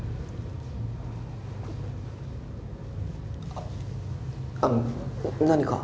ああっあの何か？